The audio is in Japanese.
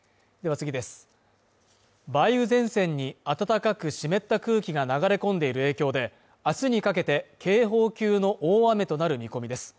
梅雨前線に暖かく湿った空気が流れ込んでいる影響で、あすにかけて警報級の大雨となる見込みです。